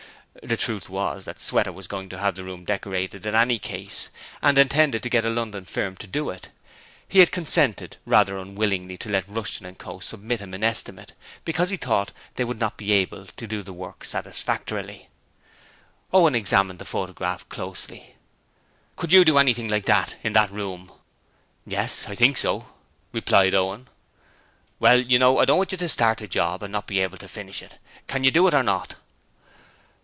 The truth was that Sweater was going to have the room decorated in any case, and intended to get a London firm to do it. He had consented rather unwillingly to let Rushton & Co. submit him an estimate, because he thought they would not be able to do the work satisfactorily. Owen examined the photograph closely. 'Could you do anything like that in that room?' 'Yes, I think so,' replied Owen. 'Well, you know, I don't want you to start on the job and not be able to finish it. Can you do it or not?'